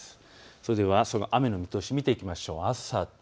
それでは、あすの雨の見通しを見ていきましょう。